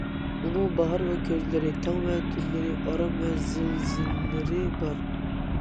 ئۇنىڭ باھار ۋە كۈزلىرى، تاڭ ۋە تۈنلىرى، ئارام ۋە زىلزىلىلىرى بار.